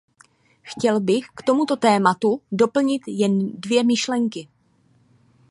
Chtěl bych k tomuto tématu doplnit jen dvě myšlenky.